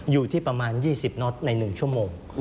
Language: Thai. อยู่ที่ประมาณ๒๐น็อตใน๑ชั่วโมง